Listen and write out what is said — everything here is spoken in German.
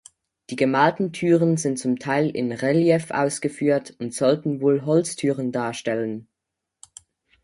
Die gemalten Türen sind zum Teil in Relief ausgeführt und sollten wohl Holztüren darstellen.